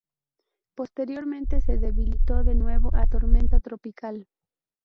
Posteriormente se debilitó, de nuevo, a Tormenta Tropical.